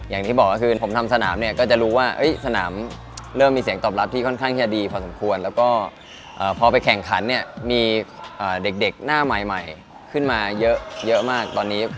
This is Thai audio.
อย่างที่บอกก็คือผมทำสนามเนี่ยก็จะรู้ว่าสนามเริ่มมีเสียงตอบรับที่ค่อนข้างที่จะดีพอสมควรแล้วก็พอไปแข่งขันเนี่ยมีเด็กหน้าใหม่ขึ้นมาเยอะมากตอนนี้